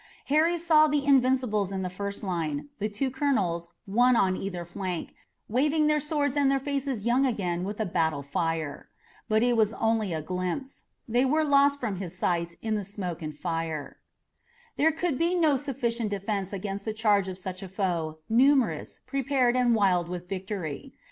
Harry saw the Invincibles in the first line, the two colonels, one on either flank, waving their swords and their faces young again with the battle fire. But it was only a glimpse. Then they were lost from his sight in the fire and smoke. There could be no sufficient defense against the charge of such a foe, numerous, prepared and wild with victory.